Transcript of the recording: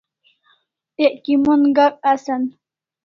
Ek kimon gak asan